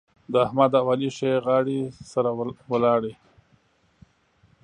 د احمد او علي ښې غاړې سره ولاړې.